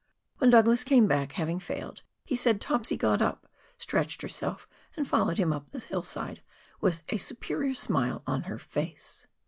When Douglas came back, having failed, he said Topsy got up, stretched herself, and followed him up the hillside, " with a superior smile on her face."